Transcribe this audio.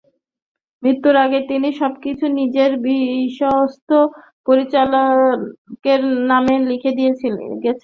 মৃত্যুর আগে তিনি সবকিছু নিজের বিশ্বস্ত পরিচারকের নামে লিখে দিয়ে গেছেন।